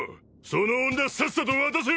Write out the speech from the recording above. その女さっさと渡せ！